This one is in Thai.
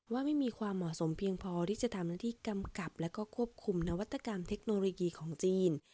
ว่าไม่มีความเหมาะสมเพียงพอที่จะทำหน้าที่กำกับและก็ควบคุมนวัตกรรมเทคโนโลยีของจีน